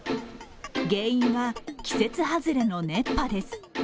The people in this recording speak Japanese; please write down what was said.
原因は季節外れの熱波です。